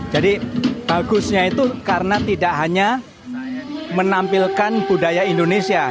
jadi bagusnya itu karena tidak hanya menampilkan budaya indonesia